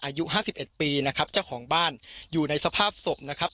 อายุห้าสิบเอ็ดปีนะครับเจ้าของบ้านอยู่ในสภาพศพนะครับ